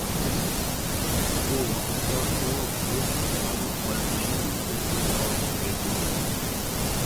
بۇ ۋاقىتتا ئۇ بۇ قىزىقارلىق بايقىشىنى يېتەكچى ئۇستازىغا ئېيتىدۇ.